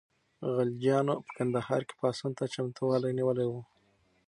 غلجیانو په کندهار کې پاڅون ته چمتووالی نیولی و.